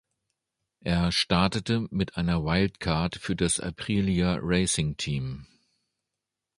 Er startete mit einer Wildcard für das Aprilia Racing Team.